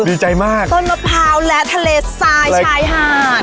ต้นมะพร้าวและทะเลซายชายหาด